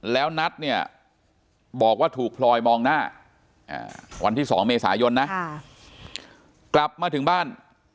แล้วนัทเนี่ยบอกว่าถูกพลอยมองหน้าวันที่๒เมษายนนะกลับมาถึงบ้าน